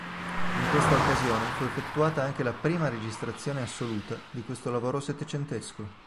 In questa occasione fu effettuata anche la prima registrazione assoluta di questo lavoro settecentesco.